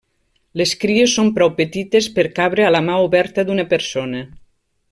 Les cries són prou petites per cabre a la mà oberta d'una persona.